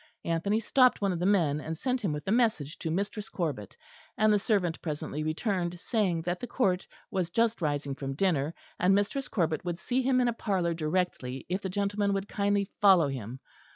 Anthony stopped one of the men, and sent him with a message to Mistress Corbet; and the servant presently returned, saying that the Court was just rising from dinner, and Mistress Corbet would see him in a parlour directly, if the gentleman would kindly follow him.